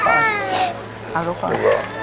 ไปเอาลูกก่อน